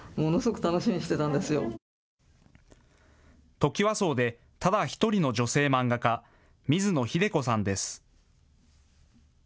トキワ荘でただ１人の女性漫画家、水野英子さんです。